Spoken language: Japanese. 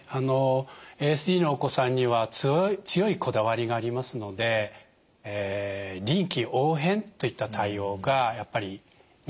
ＡＳＤのお子さんには強いこだわりがありますので臨機応変といった対応がやっぱり苦手なんですね。